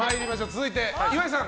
続いて岩井さん。